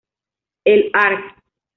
El Arq.